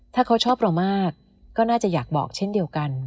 ถ้าเขาชอบเรามากก็น่าจะอยากบอกเช่นเดียวกัน